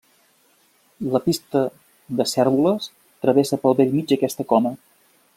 La Pista de Cérvoles travessa pel bell mig aquesta coma.